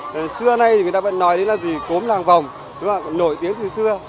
từ xưa đến nay người ta vẫn nói đến là gì cốm làng vòng nổi tiếng từ xưa